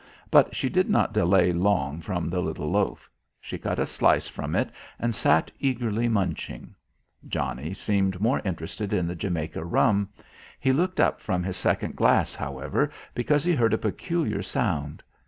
But she did not delay long from the little loaf. She cut a slice from it and sat eagerly munching. Johnnie seemed more interested in the Jamaica rum. He looked up from his second glass, however, because he heard a peculiar sound.